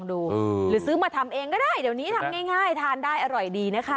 หรือซื้อมาทำเองก็ได้เดี๋ยวนี้ทำง่ายทานได้อร่อยดีนะคะ